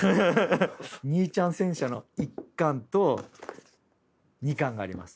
「にいちゃん戦車」の１巻と２巻があります。